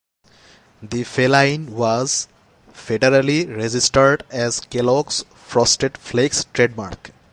The feline was federally registered as Kellogg's Frosted Flakes trademark.